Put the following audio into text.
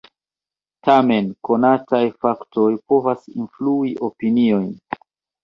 Tamen, konataj faktoj povas influi opiniojn.